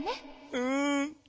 うん。